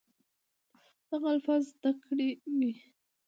دغه الفاظ زده کړي وي